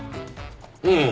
うん。